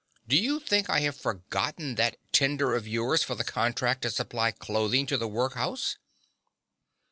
Do you think I have forgotten that tender of yours for the contract to supply clothing to the workhouse?